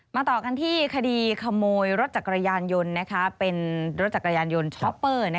ต่อกันที่คดีขโมยรถจักรยานยนต์เป็นรถจักรยานยนต์ช็อปเปอร์